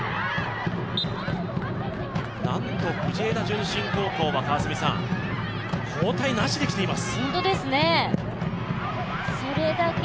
なんと藤枝順心高校は交代なしできています。